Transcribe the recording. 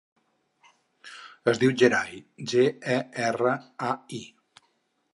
Es diu Gerai: ge, e, erra, a, i.